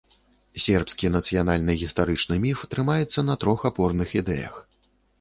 Сербскі нацыянальны гістарычны міф трымаецца на трох апорных ідэях.